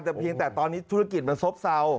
แต่เพียงแต่ตอนนี้ธุรกิจมันซบเศร้า